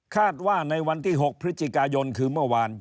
คาดว่าในวันที่๖พฤศจิกายนคือเมื่อวาน